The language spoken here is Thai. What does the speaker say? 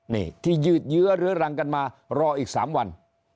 นี่ที่ยืดเยื้อเรื้อรังกันมารออีก๓วัน